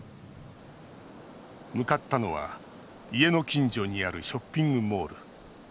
向かったのは家の近所にあるショッピングモール。